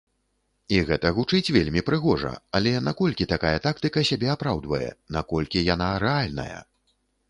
І гэта гучыць вельмі прыгожа, але наколькі такая тактыка сябе апраўдвае, наколькі яна рэальная?